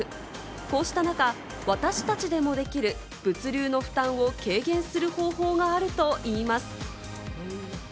こうした中、私達でもできる物流の負担の軽減をする方法があるといいます。